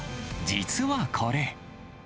実はこれ。